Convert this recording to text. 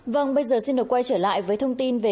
vâng bây giờ xin được quay trở lại với thông tin về